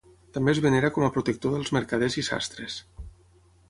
També es venera com a protector dels mercaders i sastres.